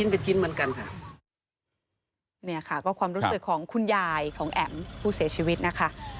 เนี่ยค่ะก็ความรู้สึกของคุณยายของแอ๋มผู้เสียชีวิตนะคะ